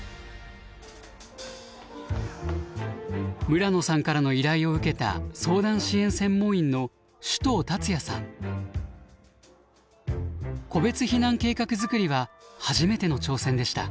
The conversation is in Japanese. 村野さんからの依頼を受けた個別避難計画作りは初めての挑戦でした。